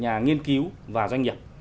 nhà nghiên cứu và doanh nghiệp